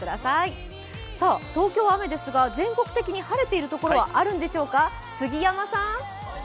東京は雨ですが、全国的に晴れているところはあるんでしょうか、杉山さん。